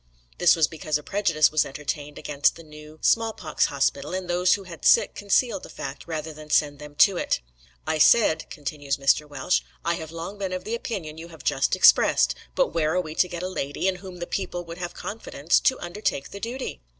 '" This was because a prejudice was entertained against the new small pox hospital, and those who had sick concealed the fact rather than send them to it. "I said," continues Mr. Welsh, "'I have long been of the opinion you have just expressed; but where are we to get a lady, in whom the people would have confidence, to undertake the duty?'